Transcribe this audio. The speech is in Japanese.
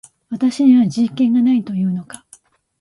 私には人権がないと言うのか